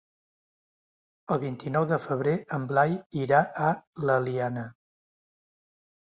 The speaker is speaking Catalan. El vint-i-nou de febrer en Blai irà a l'Eliana.